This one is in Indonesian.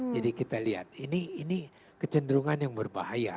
jadi kita lihat ini kecenderungan yang berbahaya